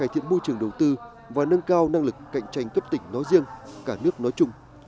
thiện môi trường đầu tư và nâng cao năng lực cạnh tranh cấp tỉnh nói riêng cả nước nói chung